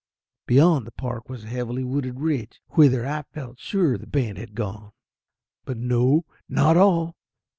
Beyond the park was a heavily wooded ridge, whither I felt sure the band had gone. But no not all!